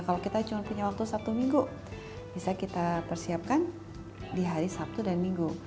kalau kita cuma punya waktu satu minggu bisa kita persiapkan di hari sabtu dan minggu